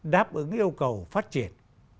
đáp ứng yêu cầu phát triển